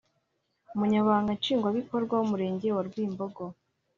umunyamabanga nshingwabikorwa w’umurenge wa Rwimbogo